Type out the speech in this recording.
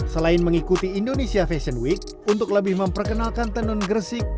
selain mengikuti indonesia fashion week untuk lebih memperkenalkan tenun gresik